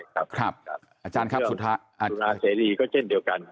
เวลาเศรษฐีก็เจ้นเดียวกัน